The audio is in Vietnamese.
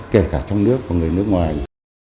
kể cả trong nước và người nước ngoài